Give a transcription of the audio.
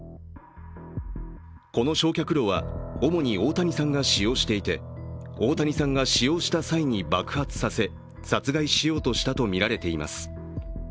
この焼却炉は主に大谷さんが使用していて大谷さんが使用した際に爆発させ、殺害しようとしたとみられています。